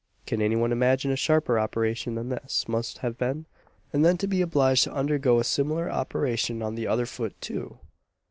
Can any one imagine a sharper operation than this must have been? And then to be obliged to undergo a similar operation on the other foot, too!